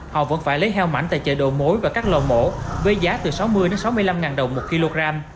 họ vẫn phải lấy heo mạnh tại chợ đồ mối và các lò mổ với giá từ sáu mươi sáu mươi năm đồng một kg